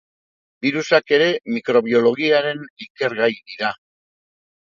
Birusak ere mikrobiologiaren ikergai dira.